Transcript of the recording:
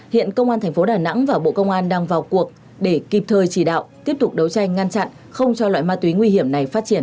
hiện công an tp đà nẵng và bộ công an đang vào cuộc để kịp thời chỉ đạo tiếp tục đấu tranh ngăn chặn không cho loại ma túy nguy hiểm này phát triển